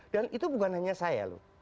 dan itu bukan hanya saya loh